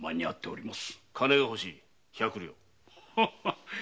金が欲しい百両。